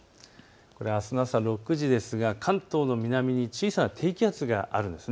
これはあすの朝６時ですが関東の南に小さな低気圧があるんです。